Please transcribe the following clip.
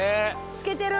透けてる。